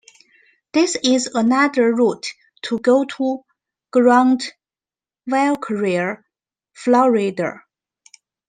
This is another route to go to Grant-Valkaria, Florida.